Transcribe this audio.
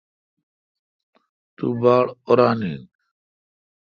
تو باڑ اوران این۔